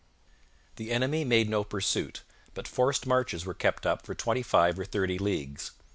The enemy made no pursuit, but forced marches were kept up for twenty five or thirty leagues.